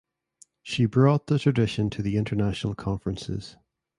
She brought the tradition to the International conferences.